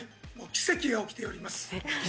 奇跡が起きております。